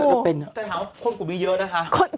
แต่ถามว่าคนกลุ่มนี้เยอะนะคะ